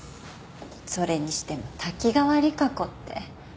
それにしても滝川利佳子って。